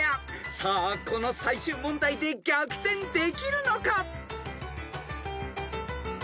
［さあこの最終問題で逆転できるのか？］